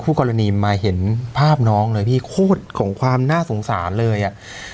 กรณีมาเห็นภาพน้องเลยพี่โคตรของความน่าสงสารเลยอ่ะ